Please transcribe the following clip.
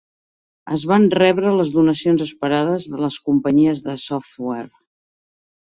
Es van rebre les donacions esperades de les companyies de software.